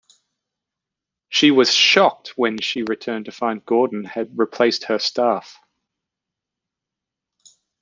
She was shocked when she returned to find Gordon had replaced her staff.